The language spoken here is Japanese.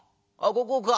ここか。